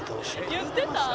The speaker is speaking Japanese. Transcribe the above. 「言ってた？」